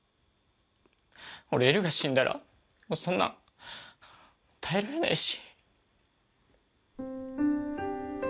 俺エルが死んだらそんなん耐えられないし。